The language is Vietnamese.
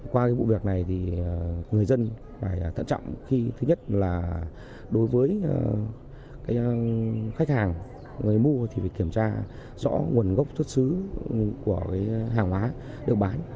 qua cái vụ việc này thì người dân phải thận trọng khi thứ nhất là đối với khách hàng người mua thì phải kiểm tra rõ nguồn gốc xuất xứ của hàng hóa được bán